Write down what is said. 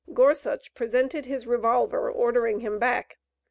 Gorsuch presented his revolver, ordering him back.